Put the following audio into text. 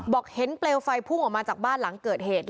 บอกเห็นเปลวไฟพุ่งออกมาจากบ้านหลังเกิดเหตุ